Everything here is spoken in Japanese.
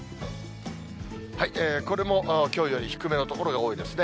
これもきょうより低めの所が多いですね。